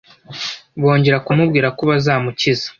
Bongera kumubwira ko bazamukiza